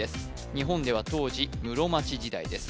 日本では当時室町時代です